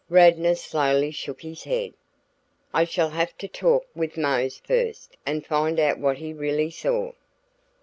Radnor slowly shook his head. "I shall have to talk with Mose first and find out what he really saw."